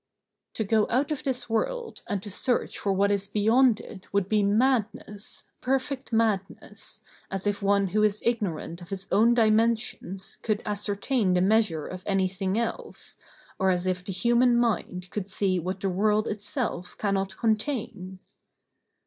To go out of this world and to search for what is beyond it would be madness, perfect madness, as if one who is ignorant of his own dimensions could ascertain the measure of anything else, or as if the human mind could see what the world itself cannot contain.